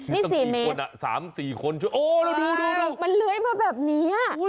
นี่สี่เมตรสามสี่คนโอ้ยแล้วดูดูดูมันเลื้อยมาแบบนี้อ่ะอุ้ย